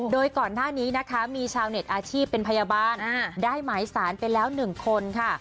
โดยก่อนหน้านี้นะคะมีชาวเน็ตอาชีพเป็นพยาบาลได้หมายสารไปแล้ว๑คนค่ะ